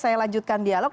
saya lanjutkan dialog